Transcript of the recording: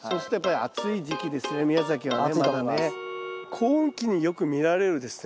高温期によく見られるですね